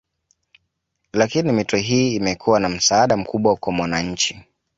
Lakini mito hii imekuwa na msaada mkubwa kwa wananchi